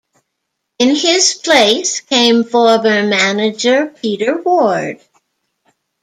In his place came former manager Peter Ward.